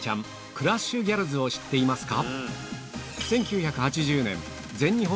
クラッシュ・ギャルズを知っていますか？